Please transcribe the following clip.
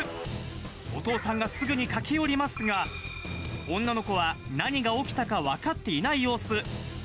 お父さんがすぐに駆け寄りますが、女の子は何が起きたか分かっていない様子。